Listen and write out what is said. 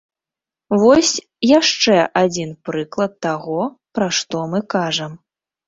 Вось яшчэ адзін прыклад таго, пра што мы кажам.